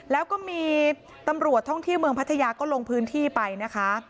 แล้วก็มีตำรวจท่องเที่ยวเมืองพัทยาก็ลงพื้นที่ไปนะคะ